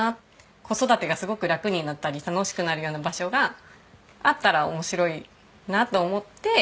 子育てがすごくラクになったり楽しくなるような場所があったら面白いなと思って。